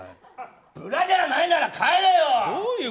ブラジャーないなら帰れよ！